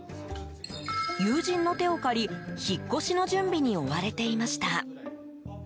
友人の手を借り引っ越しの準備に追われていました。